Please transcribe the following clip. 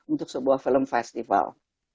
untuk sebuah film festival